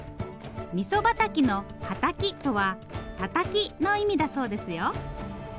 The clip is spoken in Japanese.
みそばたきの「はたき」とは「たたき」の意味だそうですよ。